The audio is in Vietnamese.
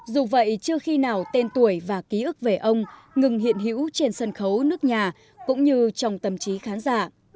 dù vậy chưa khi nào tên tuổi và ký ức về ông ngừng hiện hữu trên sân khấu nước nhà cũng như trong tâm trí khán giả